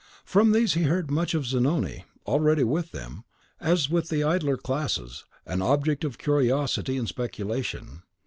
From these he heard much of Zanoni, already with them, as with the idler classes, an object of curiosity and speculation.